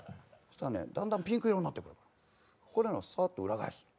だんだんピンク色になってくる、これ、サーッと裏返すの。